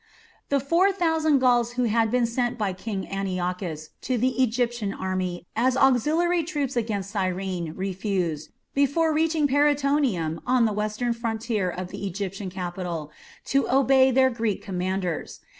The four thousand Gauls who had been sent by King Antiochus to the Egyptian army as auxiliary troops against Cyrene refused, before reaching Paraetonium, on the western frontier of the Egyptian kingdom, to obey their Greek commanders.